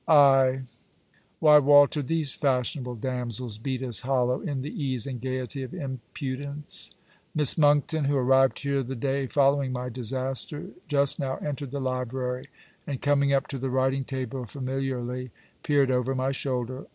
I Why, Walter, these fashionable damsels beat us hollow in the ease and gaiety of impudence. Miss Monckton (who arrived here the day following my disaster,) just now entered the library; and, coming up to the writing table, familiarly peered over my shoulder.